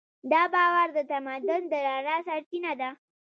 دا باور د تمدن د رڼا سرچینه ده.